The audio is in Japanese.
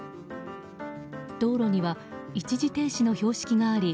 道路には、一時停止の標識があり